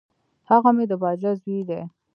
هغه مي د باجه زوی دی .